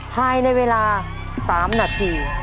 ภายในเวลา๓นาที